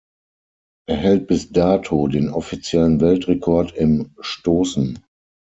Er hält bis dato den offiziellen Weltrekord im Stoßen.